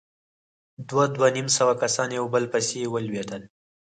دوه، دوه نيم سوه کسان يو په بل پسې ولوېدل.